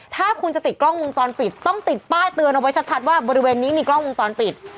ถ้าคุณจะติดกล้องวงจรปิดต้องติดป้ายเตือนเอาไว้ชัดว่าบริเวณนี้มีกล้องวงจรปิด